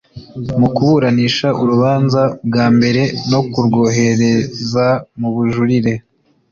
mu kuburanisha urubanza bwa mbere no kurwohereza mu bujurire